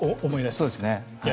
そうですね。